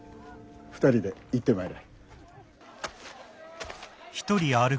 ２人で行ってまいれ。